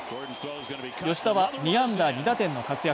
吉田は２安打２打点の活躍。